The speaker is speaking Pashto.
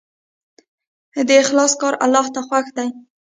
د اخلاص کار الله ته خوښ دی.